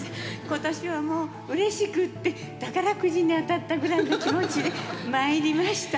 今年はもううれしくって宝くじに当たったぐらいの気持ちで参りました。